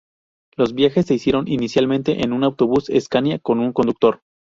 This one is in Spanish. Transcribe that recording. Los viajes se hicieron inicialmente en un autobús Scania con un conductor.